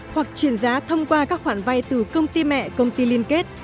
hoặc chuyển giá thông qua các khoản vay từ công ty mẹ công ty liên kết